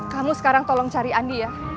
kamu sekarang tolong cari andi ya